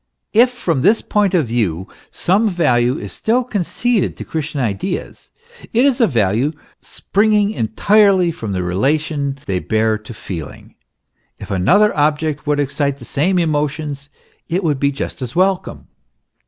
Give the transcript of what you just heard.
If from this point of view some value is still conceded to Christian ideas, it is a value springing entirely from the relation they bear to feeling; if another object would excite the same emotions, it would be just as welcome.